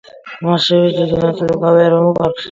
მასივის დიდი ნაწილი უკავია ეროვნულ პარკს.